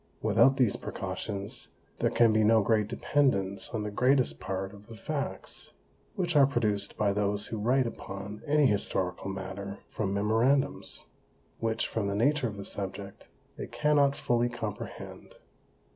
Without these Precautions, there can be no great Dependance on the greatest Part of the Facts, which are produced by those who write upon any Historical Matter from Memorandums; which, from the Nature of the Subject, they cannot fully comprehend.